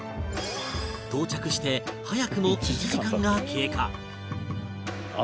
到着して早くも１時間が経過